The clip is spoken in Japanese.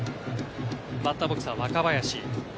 バッターボックスは若林。